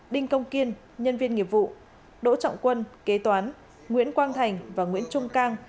đinh công kiên nhân viên nghiệp vụ đỗ trọng quân kế toán nguyễn quang thành và nguyễn trung cang